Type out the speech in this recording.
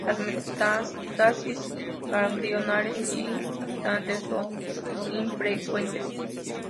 Las metástasis ganglionares y distantes son infrecuentes.